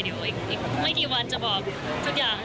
เดี๋ยวอีกไม่กี่วันจะบอกทุกอย่าง